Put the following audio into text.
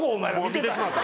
見てしまった。